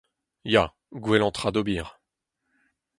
Ya, gwellañ tra d'ober.